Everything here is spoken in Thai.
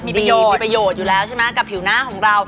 ตีมีประโยชน์อยู่แล้วใช่ไหมให้ผิวหน้าของเรา